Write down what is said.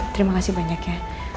terima kasih banyak ya